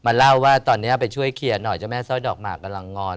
เล่าว่าตอนนี้ไปช่วยเคลียร์หน่อยเจ้าแม่สร้อยดอกหมากกำลังงอน